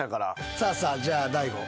さあさあじゃあ大悟。